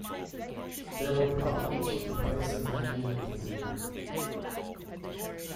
There were problems with the price of land and with labour.